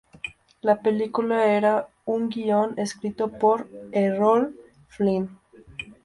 La película era un guión escrito por Errol Flynn.